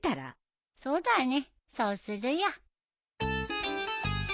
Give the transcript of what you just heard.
そうだねそうするよ。